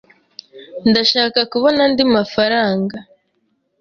Ndashaka kubona andi mafaranga.